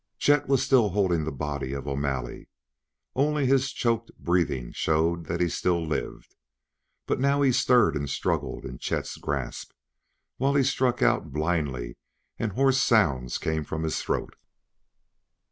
Chet was still holding the body of O'Malley. Only his choked breathing showed that he still lived, but now he stirred and struggled in Chet's grasp, while he struck out blindly and hoarse sounds came from his throat.